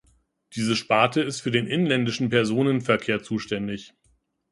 Diese Sparte ist für den inländischen Personenverkehr zuständig.